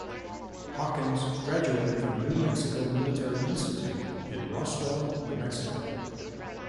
Hawkins graduated from New Mexico Military Institute in Roswell, New Mexico.